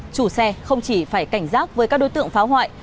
chủ xe không chỉ phải cảnh giác với các đối tượng phá hoại